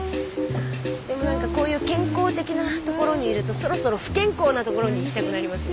でも何かこういう健康的なところにいるとそろそろ不健康なところに行きたくなりますよね。